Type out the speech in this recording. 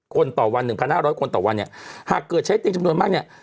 คนต่อวัน๑๕๐๐คนต่อวันเนี่ยหากเกิดใช้เตียงจำนวนมากเนี่ย